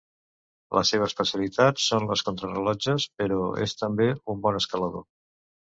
La seva especialitat són les contrarellotges, però és també un bon escalador.